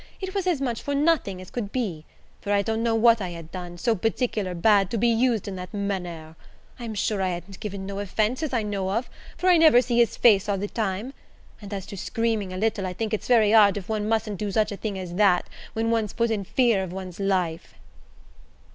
it was as much for nothing as could be; for I don't know what I had done, so particular bad, to be used in that manner: I'm sure, I hadn't given no offence, as I know of, for I never see his face all the time: and as to screaming a little, I think it's very hard if one mustn't do such a thing as that, when one's put in fear of one's life."